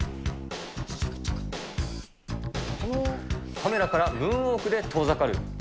カメラからムーンウォークで遠ざかる。